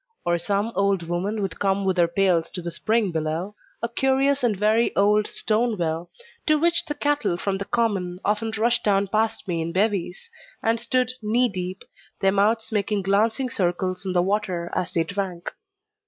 Or some old woman would come with her pails to the spring below, a curious and very old stone well, to which the cattle from the common often rushed down past me in bevies, and stood knee deep, their mouths making glancing circles in the water as they drank.